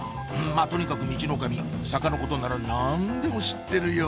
まぁとにかくミチノカミ坂のことなら何でも知ってるよ！